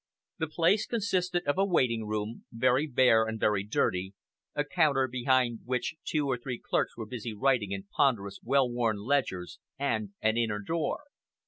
The place consisted of a waiting room, very bare and very dirty; a counter, behind which two or three clerks were very busy writing in ponderous, well worn ledgers, and an inner door.